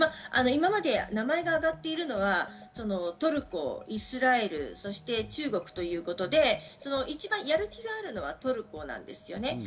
今まで名前が挙がっているのはトルコ、イスラエル、そして中国ということで一番やる気があるのがトルコなんですよね。